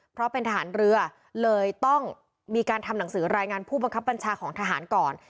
เพราะเป็นทหารเรือเลยต้องมีการทำหนังสือรายงานผู้บังคับบัญชาของทหารก่อน